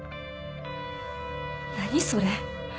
何それ？